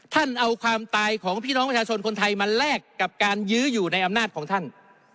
ท่านเอาความตายของพี่น้องประชาชนคนไทยมาแลกกับการยื้ออยู่ในอำนาจของท่าน